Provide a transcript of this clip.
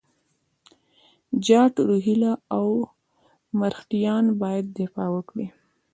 جاټ، روهیله او مرهټیان باید دفاع وکړي.